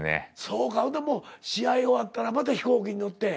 そうかほんならもう試合終わったらまた飛行機に乗って。